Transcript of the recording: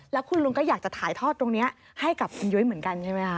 แล้วคุณลุงก็อยากจะถ่ายทอดตรงนี้ให้กับคุณยุ้ยเหมือนกันใช่ไหมคะ